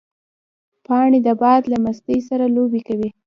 پاڼې د باد له مستۍ سره لوبې کوي